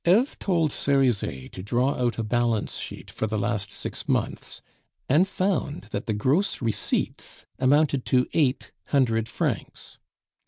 Eve told Cerizet to draw out a balance sheet for the last six months, and found that the gross receipts amounted to eight hundred francs.